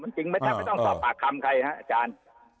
มันจริงไหมไม่ต้องตอบปากคำใครนะฮะอาจารย์